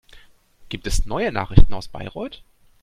Gibt es neue Nachrichten aus Bayreuth?